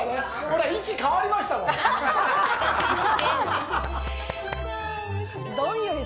ほら、位置変わりましたもん。